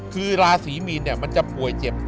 คือราศีมีนมันจะป่วยเจ็บ